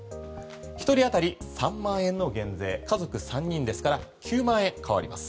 １人当たり３万円の減税家族３人ですから９万円になります。